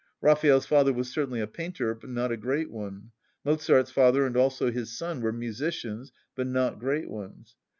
Raphael's father was certainly a painter, but not a great one; Mozart's father, and also his son, were musicians, but not great ones.